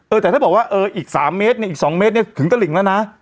เออแต่ถ้าบอกว่าอีก๓เมตรอีก๒เมตรถึงตะหลิงแล้วนะ